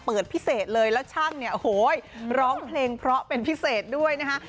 พิเศษเลยแล้วช่างเนี่ยโอ้โหร้องเพลงเพราะเป็นพิเศษด้วยนะคะ